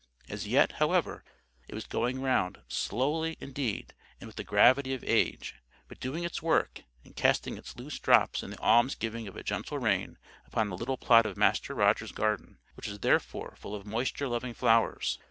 As yet, however, it was going round; slowly, indeed, and with the gravity of age, but doing its work, and casting its loose drops in the alms giving of a gentle rain upon a little plot of Master Rogers's garden, which was therefore full of moisture loving flowers.